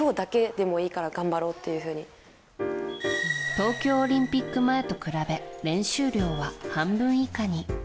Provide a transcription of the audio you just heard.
東京オリンピック前と比べ練習量は半分以下に。